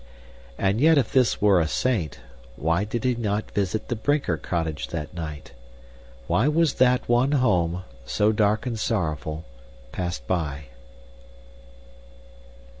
And yet if this were a saint, why did he not visit the Brinker cottage that night? Why was that one home, so dark and sorrowful, passed by?